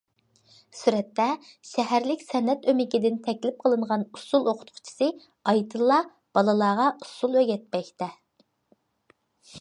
سۈرەتتە: شەھەرلىك سەنئەت ئۆمىكىدىن تەكلىپ قىلىنغان ئۇسسۇل ئوقۇتقۇچىسى ئايتىللا بالىلارغا ئۇسسۇل ئۆگەتمەكتە.